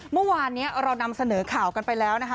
เมื่อวานนี้เรานำเสนอข่าวกันไปแล้วนะคะ